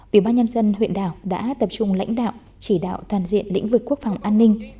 ủy ban nhân dân huyện đảo đã tập trung lãnh đạo chỉ đạo toàn diện lĩnh vực quốc phòng an ninh